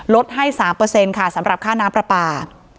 ลดให้๓ค่ะสำหรับค่าน้ำปลาปลา